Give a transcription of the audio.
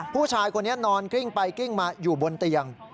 ผู้ชายคนนี้นอนกลิ้งไปกลิ้งมาอยู่บนเตียง